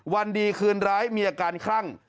วันดีคืนร้ายมีอาการคลั่ง